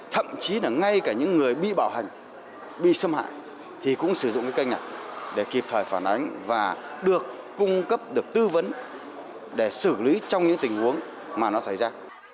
thậm chí là ngay cả những người bị bảo hành bị xâm hại thì cũng sử dụng cái kênh này để kịp thời phản ánh và được cung cấp được tư vấn để xử lý trong những tình huống mà nó xảy ra